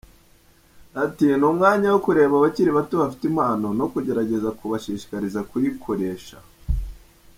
Ati” Ni umwanya wo kureba abakiri bato bafite impano no kugerageza kubashishikariza kuyikoresha.